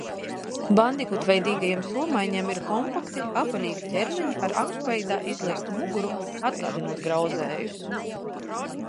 Bandikutveidīgajiem somaiņiem ir kompakti, apaļīgi ķermeņi ar arkveidā izliektu muguru, atgādinot grauzējus.